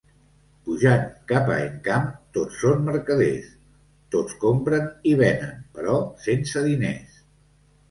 Pujant cap a Encamp tots són mercaders: tots compren i venen, però sense diners.